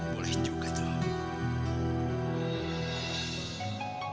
boleh juga tuhan